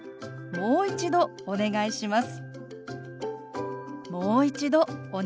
「もう一度お願いします」。